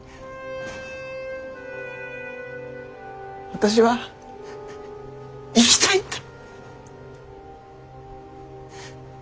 私は生きたいんだ。